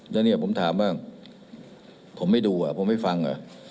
แล้วผมถามว่าผมไม่ดูอ่ะผมไม่ฟัง